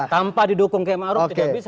tanpa didukung km a'ruf tidak bisa